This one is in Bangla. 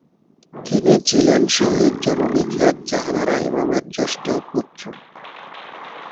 তিনি ছিলেন শহীদ জননী খ্যাত জাহানারা ইমামের জ্যেষ্ঠ পুত্র।